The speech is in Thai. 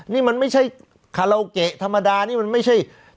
นี่มันไม่ใช่คาราโอเกะธรรมดานี่มันไม่ใช่